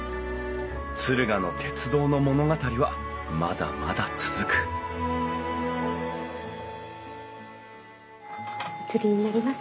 敦賀の鉄道の物語はまだまだ続くお釣りになります。